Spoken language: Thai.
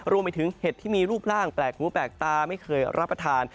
เห็ดที่มีรูปร่างแปลกหูแปลกตาไม่เคยรับประทาน